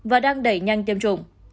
và đang đẩy nhanh tiêm chủng